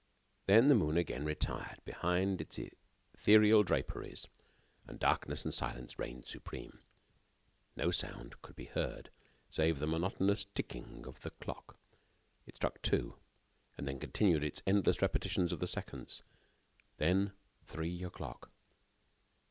Then the moon again retired behind its ethereal draperies, and darkness and silence reigned supreme. No sound could be heard, save the monotonous ticking of the clock. It struck two, and then continued its endless repetitions of the seconds. Then, three o'clock.